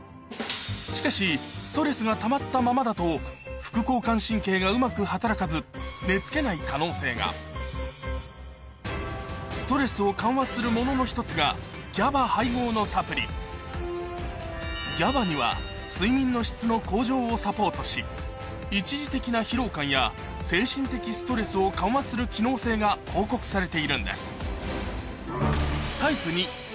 しかしストレスがたまったままだと副交感神経がうまく働かず寝つけない可能性がストレスを緩和するものの１つがＧＡＢＡには睡眠の質の向上をサポートし一時的な疲労感や精神的ストレスを緩和する機能性が報告されているんです